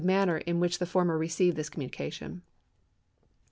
manner in which the former received this com munication.